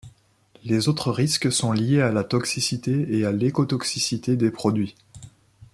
Les autres risques sont liés à la toxicité et à l’écotoxicité des produits.